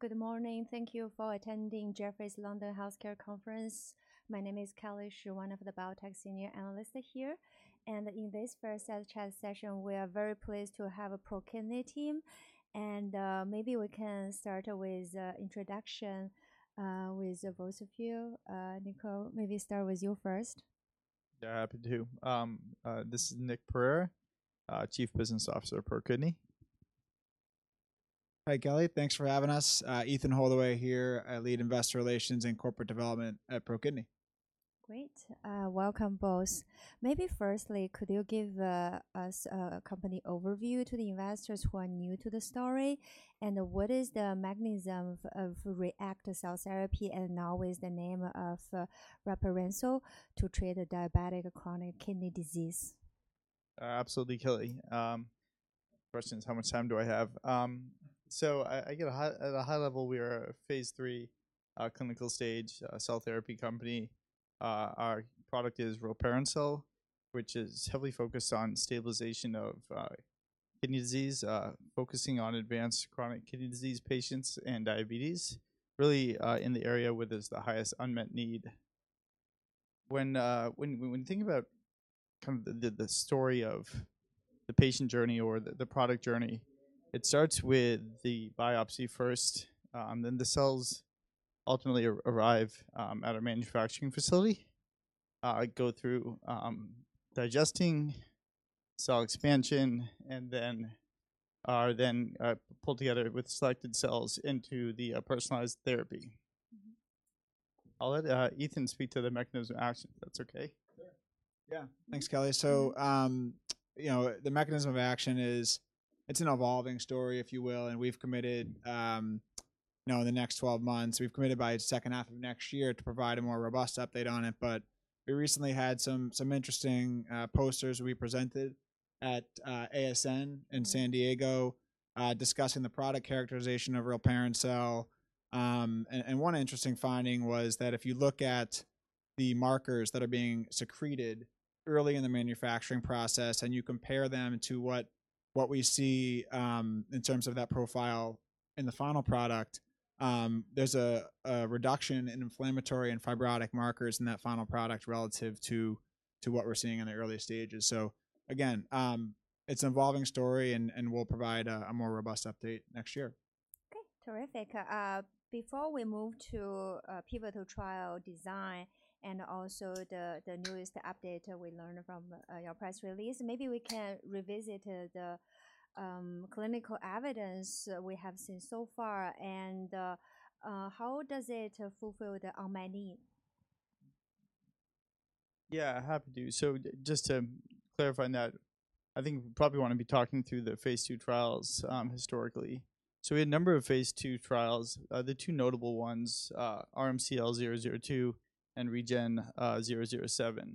Good morning. Thank you for attending Jefferies' London Healthcare Conference. My name is Kelly, one of the biotech senior analysts here. And in this first chat session, we are very pleased to have a ProKidney team. And maybe we can start with an introduction with both of you. Nick, maybe start with you first. Yeah, happy to. This is Nick Pereira, Chief Business Officer of ProKidney. Hi, Kelly. Thanks for having us. Ethan Holdaway here. I lead investor relations and corporate development at ProKidney. Great. Welcome both. Maybe firstly, could you give us a company overview to the investors who are new to the story, and what is the mechanism of REACT cell therapy, and now with the name of rilparencel, to treat diabetic chronic kidney disease? Absolutely, Kelly. Questions. How much time do I have? At a high level, we are a phase 3 clinical stage cell therapy company. Our product is rilparencel, which is heavily focused on stabilization of kidney disease, focusing on advanced chronic kidney disease patients and diabetes, really in the area where there's the highest unmet need. When we think about kind of the story of the patient journey or the product journey, it starts with the biopsy first. Then the cells ultimately arrive at our manufacturing facility, go through digesting, cell expansion, and then are pulled together with selected cells into the personalized therapy. I'll let Ethan speak to the mechanism of action. That's okay? Sure. Yeah. Thanks, Kelly. So the mechanism of action is it's an evolving story, if you will. And we've committed in the next 12 months, we've committed by the second half of next year to provide a more robust update on it. But we recently had some interesting posters we presented at ASN in San Diego discussing the product characterization of rilparencel. And one interesting finding was that if you look at the markers that are being secreted early in the manufacturing process and you compare them to what we see in terms of that profile in the final product, there's a reduction in inflammatory and fibrotic markers in that final product relative to what we're seeing in the early stages. So again, it's an evolving story, and we'll provide a more robust update next year. Okay. Terrific. Before we move to pivotal trial design and also the newest update we learned from your press release, maybe we can revisit the clinical evidence we have seen so far. And how does it fulfill the unmet need? Yeah, happy to. So just to clarify on that, I think we probably want to be talking through the phase two trials historically. So we had a number of phase two trials. The two notable ones, RMCL-002 and REGEN-007.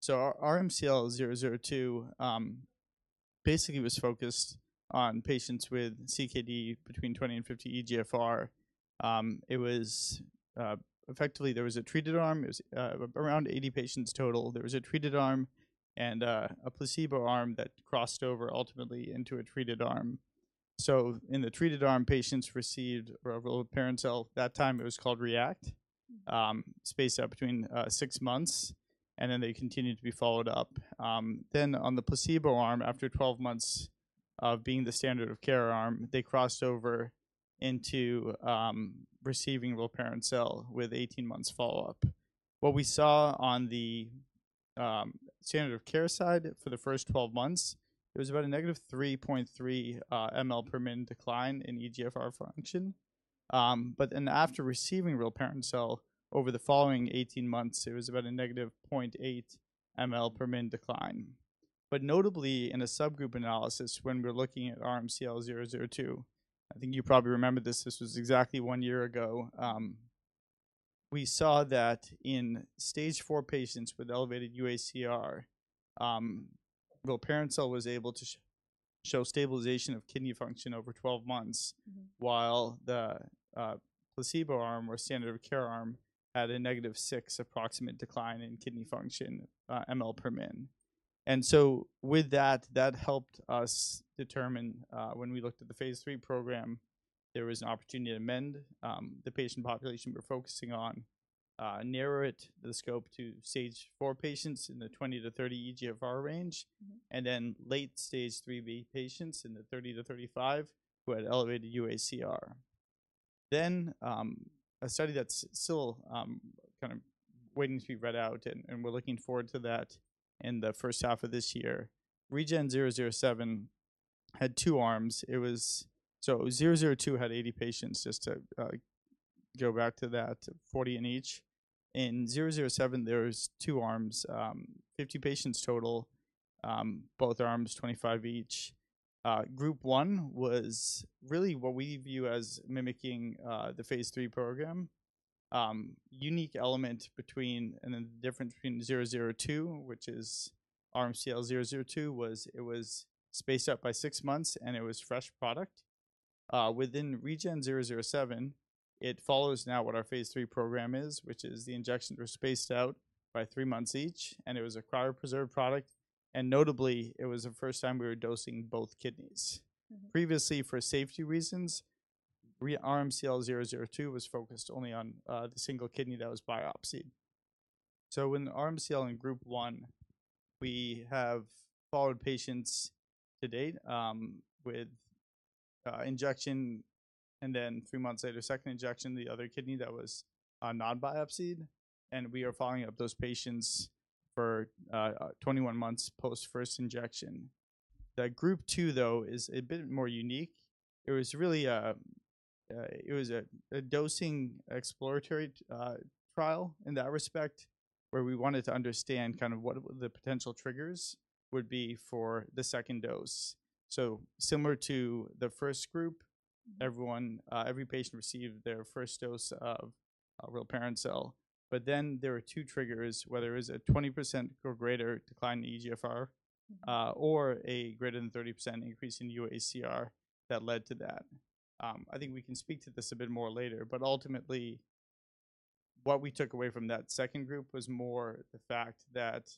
So RMCL-002 basically was focused on patients with CKD between 20 and 50 eGFR. Effectively, there was a treated arm. It was around 80 patients total. There was a treated arm and a placebo arm that crossed over ultimately into a treated arm. So in the treated arm, patients received rilparencel. At that time, it was called ReACT, spaced out between six months, and then they continued to be followed up. Then on the placebo arm, after 12 months of being the standard of care arm, they crossed over into receiving rilparencel with 18 months follow-up. What we saw on the standard of care side for the first 12 months, it was about a negative 3.3 mL/min decline in eGFR function. But then after receiving rilparencel, over the following 18 months, it was about a negative 0.8 mL/min decline. Notably, in a subgroup analysis, when we're looking at RMCL-002, I think you probably remember this. This was exactly one year ago. We saw that in stage four patients with elevated UACR, rilparencel was able to show stabilization of kidney function over 12 months, while the placebo arm or standard of care arm had a negative 6 approximate decline in kidney function, mL/min. And so with that, that helped us determine when we looked at the phase 3 program, there was an opportunity to amend the patient population we're focusing on, narrow it, the scope to stage 4 patients in the 20-30 eGFR range, and then late stage 3B patients in the 30-35 who had elevated UACR. Then a study that's still kind of waiting to be read out, and we're looking forward to that in the first half of this year. REGEN-007 had two arms. So 002 had 80 patients, just to go back to that, 40 in each. In 007, there were two arms, 50 patients total, both arms, 25 each. Group 1 was really what we view as mimicking the phase 3 program. Unique element and the difference between 002, which is RMCL-002, was that it was spaced out by six months, and it was fresh product. Within REGEN-007, it follows now what our phase 3 program is, which is the injections were spaced out by three months each, and it was a cryopreserved product, and notably, it was the first time we were dosing both kidneys. Previously, for safety reasons, RMCL-002 was focused only on the single kidney that was biopsied, so in REGEN-007 group one, we have followed patients to date with injection, and then three months later, second injection, the other kidney that was non-biopsied, and we are following up those patients for 21 months post first injection. The group two, though, is a bit more unique. It was a dosing exploratory trial in that respect, where we wanted to understand kind of what the potential triggers would be for the second dose, so similar to the first group, every patient received their first dose of rilparencel. But then there were two triggers, whether it was a 20% or greater decline in eGFR or a greater than 30% increase in UACR that led to that. I think we can speak to this a bit more later. But ultimately, what we took away from that second group was more the fact that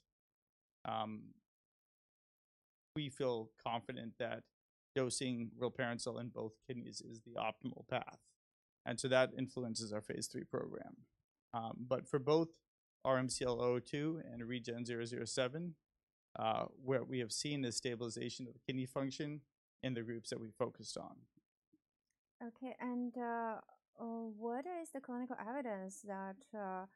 we feel confident that dosing rilparencel in both kidneys is the optimal path. And so that influences our phase 3 program. But for both RMCL-002 and REGEN-007, what we have seen is stabilization of kidney function in the groups that we focused on. Okay, and what is the clinical evidence that for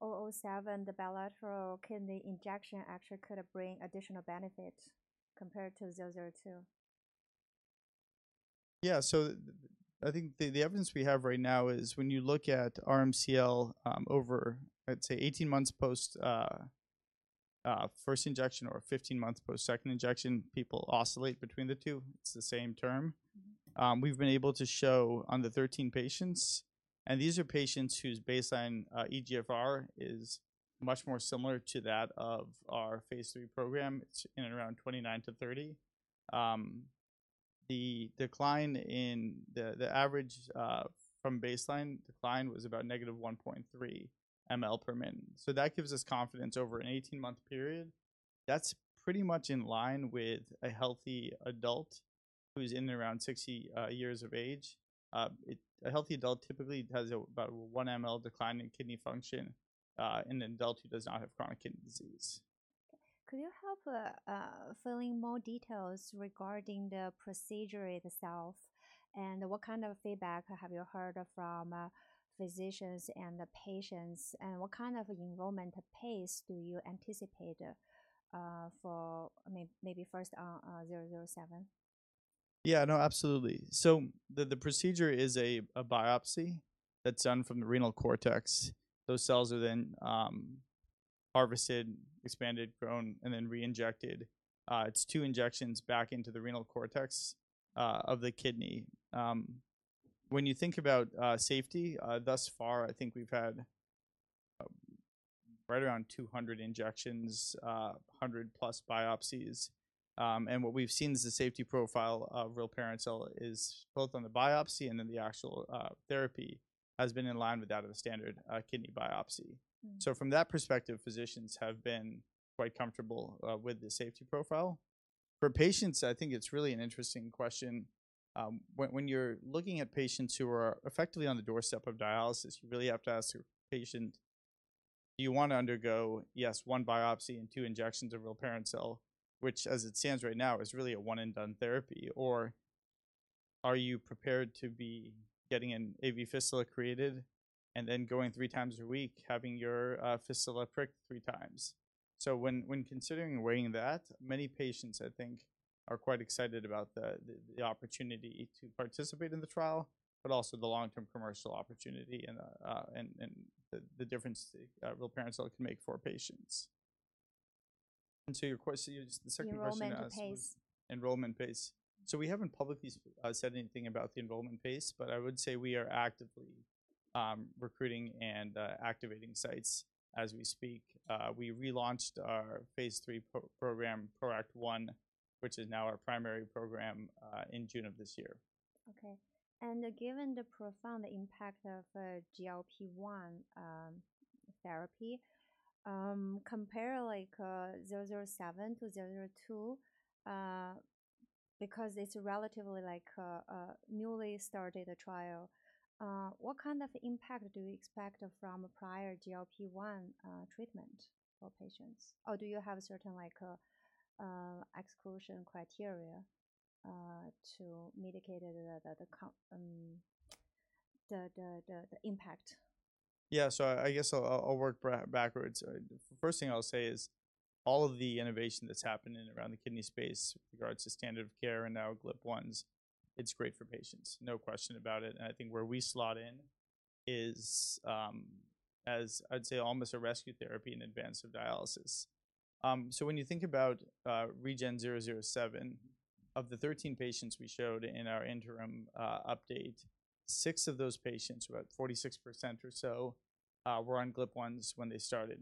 007, the bilateral kidney injection actually could bring additional benefit compared to 002? Yeah. So I think the evidence we have right now is when you look at RMCL over, I'd say, 18 months post first injection or 15 months post second injection, people oscillate between the two. It's the same term. We've been able to show on the 13 patients, and these are patients whose baseline eGFR is much more similar to that of our phase 3 program, in and around 29-30. The average from baseline decline was about negative 1.3 mL/min. So that gives us confidence over an 18-month period. That's pretty much in line with a healthy adult who's in and around 60 years of age. A healthy adult typically has about 1 mL decline in kidney function in an adult who does not have chronic kidney disease. Could you help fill in more details regarding the procedure itself? And what kind of feedback have you heard from physicians and the patients? And what kind of enrollment pace do you anticipate for maybe first on 007? Yeah, no, absolutely. So the procedure is a biopsy that's done from the renal cortex. Those cells are then harvested, expanded, grown, and then reinjected. It's two injections back into the renal cortex of the kidney. When you think about safety, thus far, I think we've had right around 200 injections, 100+ biopsies. And what we've seen is the safety profile of rilparencel is both on the biopsy and then the actual therapy has been in line with that of a standard kidney biopsy. So from that perspective, physicians have been quite comfortable with the safety profile. For patients, I think it's really an interesting question. When you're looking at patients who are effectively on the doorstep of dialysis, you really have to ask a patient, "Do you want to undergo, yes, one biopsy and two injections of rilparencel, which, as it stands right now, is really a one-and-done therapy? Or are you prepared to be getting an AV fistula created and then going three times a week, having your fistula pricked three times?" So when considering weighing that, many patients, I think, are quite excited about the opportunity to participate in the trial, but also the long-term commercial opportunity and the difference rilparencel can make for patients. And so your question, the second question was. Enrollment pace. Enrollment pace, so we haven't publicly said anything about the enrollment pace, but I would say we are actively recruiting and activating sites as we speak. We relaunched our phase 3 program, PROACT 1, which is now our primary program in June of this year. Okay. And given the profound impact of GLP-1 therapy, compare REGEN-007 to RMCL-002 because it's relatively newly started a trial. What kind of impact do you expect from prior GLP-1 treatment for patients? Or do you have certain exclusion criteria to mitigate the impact? Yeah. So I guess I'll work backwards. The first thing I'll say is all of the innovation that's happened around the kidney space with regards to standard of care and now GLP-1s. It's great for patients. No question about it. And I think where we slot in is, as I'd say, almost a rescue therapy in advance of dialysis. So when you think about REGEN-007, of the 13 patients we showed in our interim update, six of those patients, about 46% or so, were on GLP-1s when they started.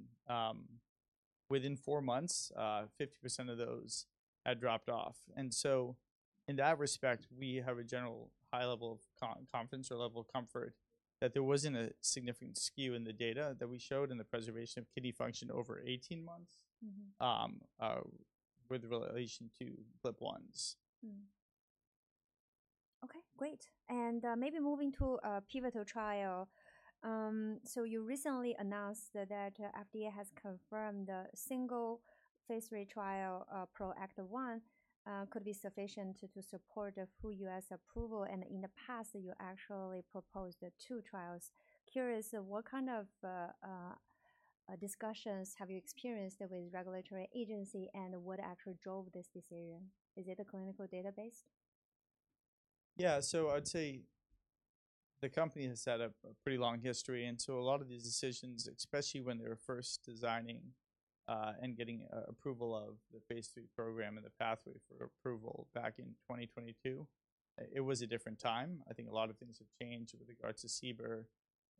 Within four months, 50% of those had dropped off. And so in that respect, we have a general high level of confidence or level of comfort that there wasn't a significant skew in the data that we showed in the preservation of kidney function over 18 months with relation to GLP-1s. Okay. Great. And maybe moving to a pivotal trial. So you recently announced that FDA has confirmed a single phase three trial, PROACT 1, could be sufficient to support Full U.S. approval. And in the past, you actually proposed two trials. Curious, what kind of discussions have you experienced with regulatory agencies, and what actually drove this decision? Is it a clinical database? Yeah. So I'd say the company has had a pretty long history, and so a lot of these decisions, especially when they were first designing and getting approval of the phase 3 program and the pathway for approval back in 2022, it was a different time. I think a lot of things have changed with regards to CBER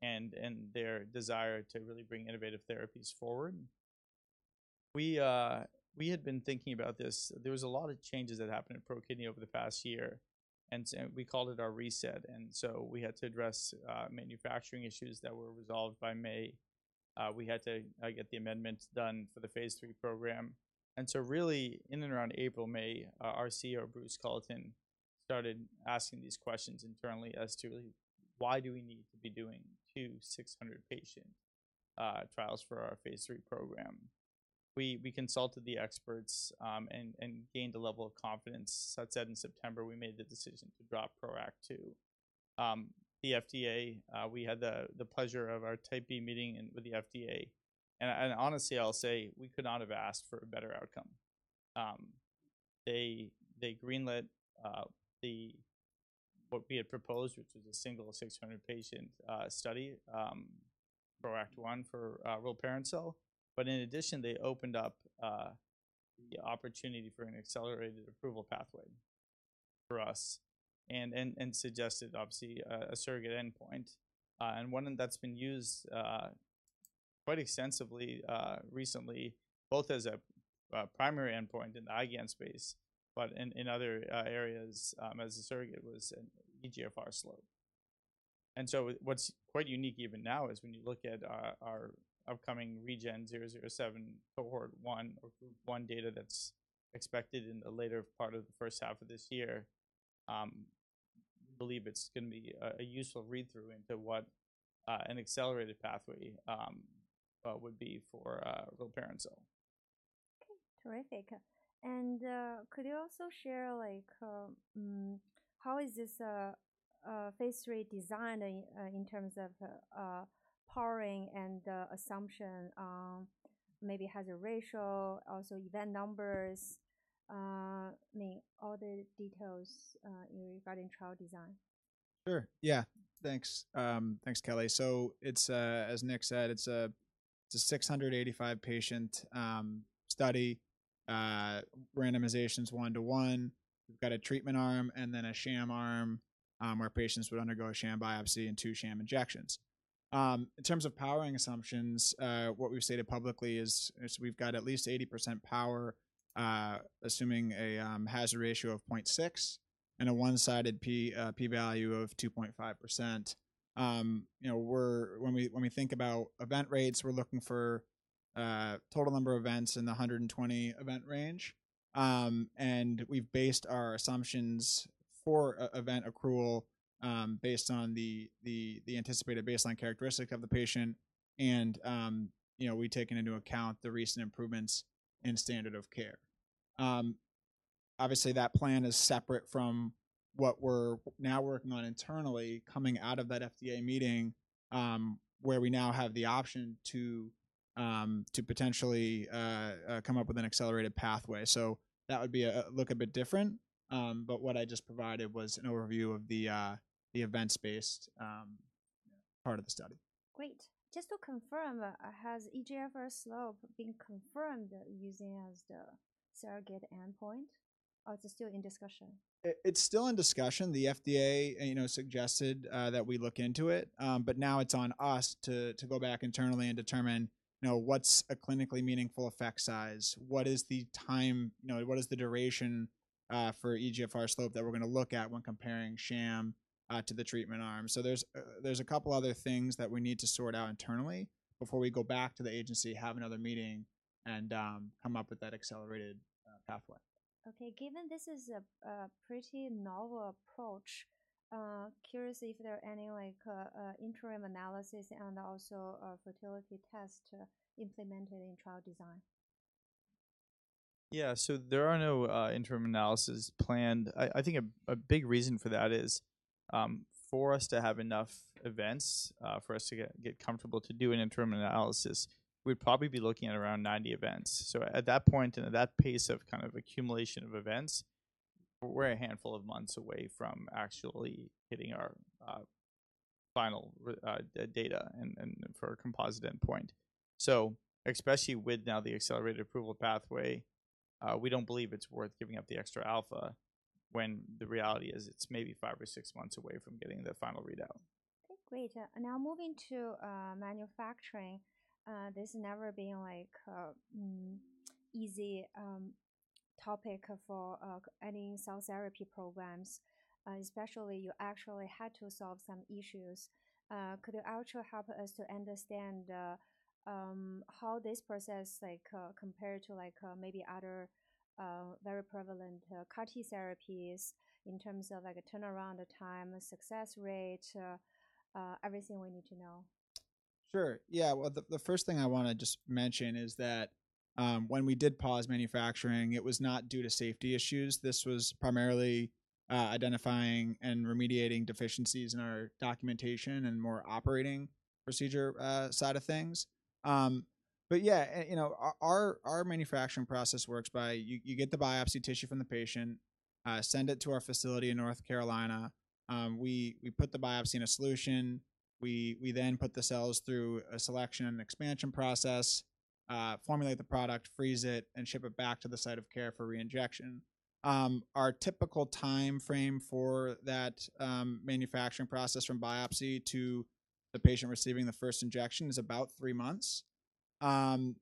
and their desire to really bring innovative therapies forward. We had been thinking about this. There was a lot of changes that happened at ProKidney over the past year, and we called it our reset, and so we had to address manufacturing issues that were resolved by May. We had to get the amendment done for the phase 3 program. And so really, in and around April, May, our CEO, Bruce Culleton, started asking these questions internally as to why do we need to be doing two 600-patient trials for our phase 3 program. We consulted the experts and gained a level of confidence. That said, in September, we made the decision to drop PROACT 2. The FDA, we had the pleasure of our Type B meeting with the FDA. And honestly, I'll say we could not have asked for a better outcome. They greenlit what we had proposed, which was a single 600-patient study, PROACT 1 for rilparencel. But in addition, they opened up the opportunity for an accelerated approval pathway for us and suggested, obviously, a surrogate endpoint. And one that's been used quite extensively recently, both as a primary endpoint in the IgAN space, but in other areas as a surrogate was an eGFR slope. And so what's quite unique even now is when you look at our upcoming REGEN-007 cohort one or group one data that's expected in the later part of the first half of this year, we believe it's going to be a useful read-through into what an accelerated pathway would be for rilparencel. Okay. Terrific, and could you also share how is this phase three designed in terms of powering and assumption, maybe hazard ratio, also event numbers, I mean, all the details regarding trial design? Sure. Yeah. Thanks. Thanks, Kelly, so as Nick said, it's a 685-patient study. Randomization is one-to-one. We've got a treatment arm and then a sham arm where patients would undergo a sham biopsy and two sham injections. In terms of powering assumptions, what we've stated publicly is we've got at least 80% power, assuming a hazard ratio of 0.6 and a one-sided p-value of 2.5%. When we think about event rates, we're looking for total number of events in the 120-event range, and we've based our assumptions for event accrual based on the anticipated baseline characteristics of the patient, and we've taken into account the recent improvements in standard of care. Obviously, that plan is separate from what we're now working on internally coming out of that FDA meeting, where we now have the option to potentially come up with an accelerated pathway, so that would look a bit different. But what I just provided was an overview of the events-based part of the study. Great. Just to confirm, has eGFR slope been confirmed as the surrogate endpoint, or is it still in discussion? It's still in discussion. The FDA suggested that we look into it. But now it's on us to go back internally and determine what's a clinically meaningful effect size, what is the time, what is the duration for eGFR slope that we're going to look at when comparing sham to the treatment arm. So there's a couple of other things that we need to sort out internally before we go back to the agency, have another meeting, and come up with that accelerated pathway. Okay. Given this is a pretty novel approach, curious if there are any interim analyses and also fertility tests implemented in trial design? Yeah. So there are no interim analyses planned. I think a big reason for that is for us to have enough events for us to get comfortable to do an interim analysis, we'd probably be looking at around 90 events. So at that point and at that pace of kind of accumulation of events, we're a handful of months away from actually hitting our final data for a composite endpoint. So especially with now the accelerated approval pathway, we don't believe it's worth giving up the extra alpha when the reality is it's maybe five or six months away from getting the final readout. Okay. Great. Now moving to manufacturing, this has never been an easy topic for any cell therapy programs, especially you actually had to solve some issues. Could you actually help us to understand how this process compares to maybe other very prevalent CAR-T therapies in terms of turnaround time, success rate, everything we need to know? Sure. Yeah. Well, the first thing I want to just mention is that when we did pause manufacturing, it was not due to safety issues. This was primarily identifying and remediating deficiencies in our documentation and more operating procedure side of things. But yeah, our manufacturing process works by you get the biopsy tissue from the patient, send it to our facility in North Carolina. We put the biopsy in a solution. We then put the cells through a selection and expansion process, formulate the product, freeze it, and ship it back to the site of care for reinjection. Our typical time frame for that manufacturing process from biopsy to the patient receiving the first injection is about three months. In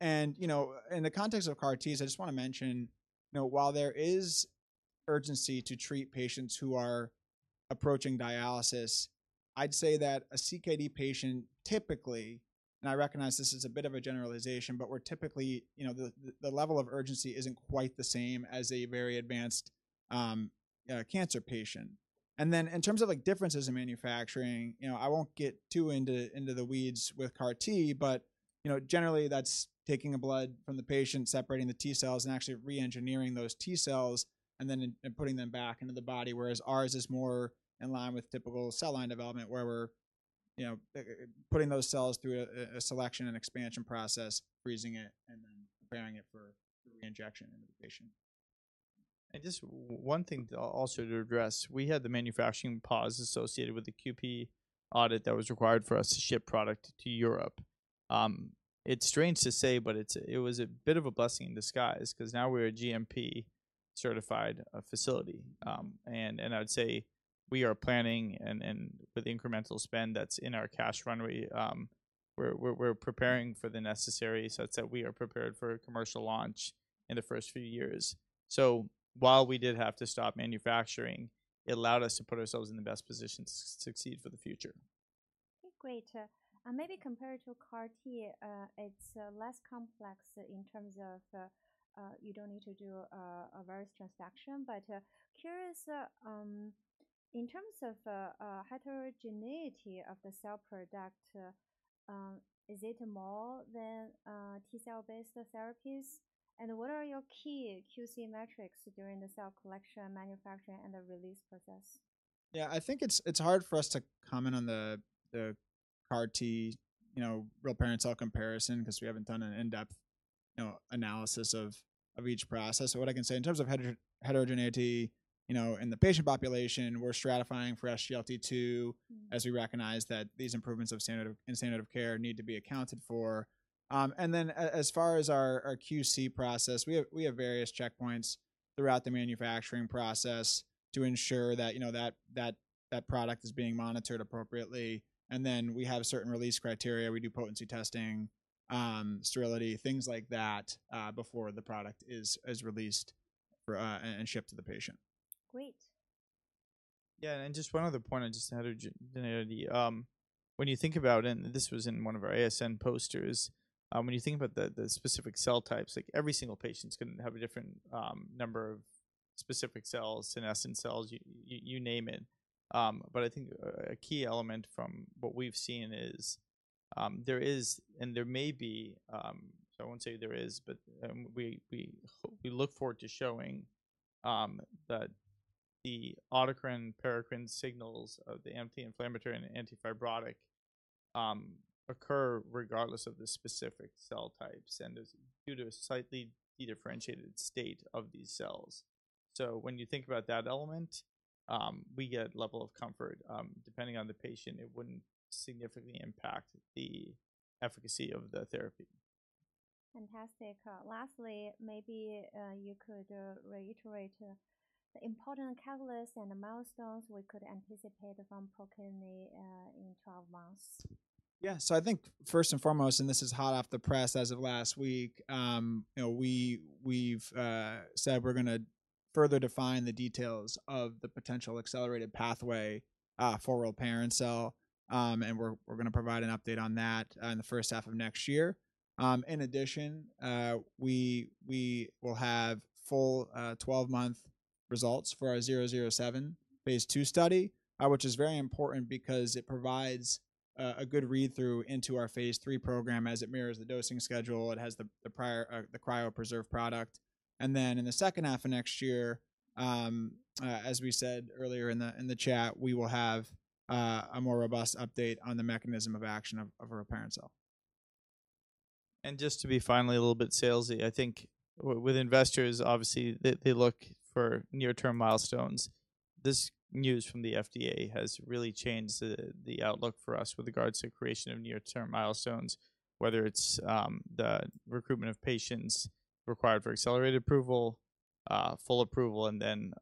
the context of CAR-Ts, I just want to mention, while there is urgency to treat patients who are approaching dialysis, I'd say that a CKD patient typically, and I recognize this is a bit of a generalization, but we're typically the level of urgency isn't quite the same as a very advanced cancer patient. In terms of differences in manufacturing, I won't get too into the weeds with CAR-T, but generally, that's taking the blood from the patient, separating the T cells, and actually re-engineering those T cells and then putting them back into the body. Whereas ours is more in line with typical cell line development, where we're putting those cells through a selection and expansion process, freezing it, and then preparing it for reinjection into the patient. And just one thing also to address, we had the manufacturing pause associated with the QP audit that was required for us to ship product to Europe. It's strange to say, but it was a bit of a blessing in disguise because now we're a GMP-certified facility. And I'd say we are planning, and with incremental spend that's in our cash runway, we're preparing for the necessary such that we are prepared for commercial launch in the first few years. So while we did have to stop manufacturing, it allowed us to put ourselves in the best position to succeed for the future. Okay. Great. And maybe compared to CAR-T, it's less complex in terms of you don't need to do a viral transduction. But curious, in terms of heterogeneity of the cell product, is it more than T cell-based therapies? And what are your key QC metrics during the cell collection, manufacturing, and the release process? Yeah. I think it's hard for us to comment on the CAR-T rilparencel comparison because we haven't done an in-depth analysis of each process. But what I can say in terms of heterogeneity in the patient population, we're stratifying for SGLT2 as we recognize that these improvements in standard of care need to be accounted for. And then as far as our QC process, we have various checkpoints throughout the manufacturing process to ensure that that product is being monitored appropriately. And then we have certain release criteria. We do potency testing, sterility, things like that before the product is released and shipped to the patient. Great. Yeah. And just one other point on just heterogeneity. When you think about it, and this was in one of our ASN posters, when you think about the specific cell types, every single patient's going to have a different number of specific cells, senescent cells, you name it. But I think a key element from what we've seen is there is and there may be, so I won't say there is, but we look forward to showing that the autocrine paracrine signals of the anti-inflammatory and antifibrotic occur regardless of the specific cell types. And it's due to a slightly differentiated state of these cells. So when you think about that element, we get level of comfort. Depending on the patient, it wouldn't significantly impact the efficacy of the therapy. Fantastic. Lastly, maybe you could reiterate the important catalysts and the milestones we could anticipate from ProKidney in 12 months? Yeah. So I think first and foremost, and this is hot off the press as of last week, we've said we're going to further define the details of the potential accelerated pathway for rilparencel. And we're going to provide an update on that in the first half of next year. In addition, we will have full 12-month results for our REGEN-007 phase 2 study, which is very important because it provides a good read-through into our phase 3 program as it mirrors the dosing schedule. It has the cryopreserved product. And then in the second half of next year, as we said earlier in the chat, we will have a more robust update on the mechanism of action of rilparencel. And just to be finally a little bit salesy, I think with investors, obviously, they look for near-term milestones. This news from the FDA has really changed the outlook for us with regards to creation of near-term milestones, whether it's the recruitment of patients required for accelerated approval, full approval, and then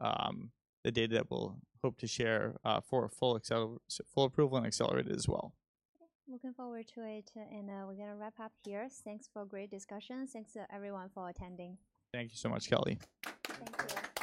the data that we'll hope to share for full approval and accelerated as well. Looking forward to it, and we're going to wrap up here. Thanks for great discussion. Thanks to everyone for attending. Thank you so much, Kelly. Thank you.